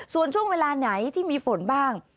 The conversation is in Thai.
ส่วนช่วงเวลาไหนที่มีฝนบ้าง